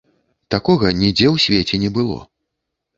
Такога нідзе ў свеце не было!